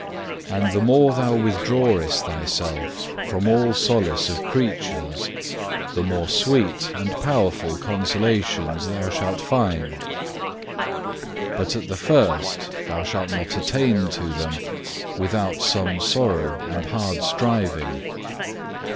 And the more thou withdrawest thyself from all solace of creatures, the more sweet and powerful consolations shalt thou find. But at the first thou shalt not attain to them, without some sorrow and hard striving.